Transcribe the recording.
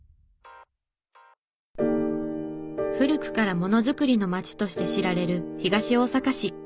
古くからモノづくりのまちとして知られる東大阪市。